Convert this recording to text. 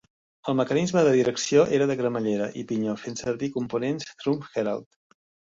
El mecanisme de direcció era de cremallera i pinyó fent servir components Truimph Herald.